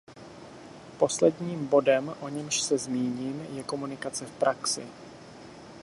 Posledním bodem, o němž se zmíním, je komunikace v praxi.